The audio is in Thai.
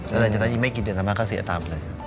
แล้วเลยจากนั้นยิ่งไม่กินเดี๋ยวอาม่าก็เสียตามเลย